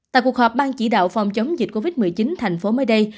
tại cuộc họp ban chỉ đạo phòng chống dịch covid một mươi chín thành phố mới đây